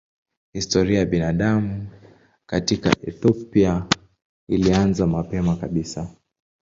Historia ya binadamu katika Ethiopia ilianza mapema kabisa.